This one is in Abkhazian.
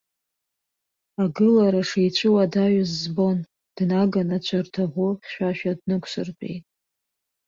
Агылара шицәыуадаҩыз збон, днаганы ацәардаӷәы хьшәашәа днықәсыртәеит.